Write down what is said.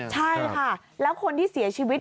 ใช่ค่ะแล้วคนที่เสียชีวิต